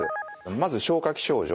まず消化器症状。